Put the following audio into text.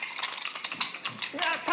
やった！